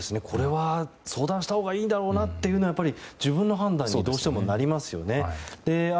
これは相談したほうがいいんだろうというのは自分の判断になりますよね。